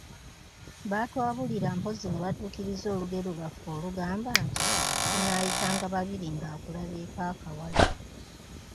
Batwabulira mpozzi nebatuukiriza olugero lwaffe olugamba nti, “Tunaayitanga babiri ng'akulabyeko akawala.”